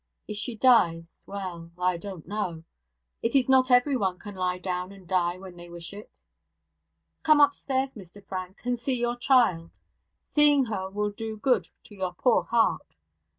If she dies well, I don't know; it is not everyone can lie down and die when they wish it. Come upstairs, Mr Frank, and see your child. Seeing her will do good to your poor heart.